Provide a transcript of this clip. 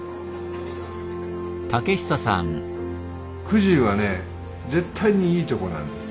くじゅうはね絶対にいいとこなんです。